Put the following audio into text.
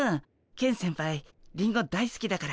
ケン先輩リンゴ大すきだから。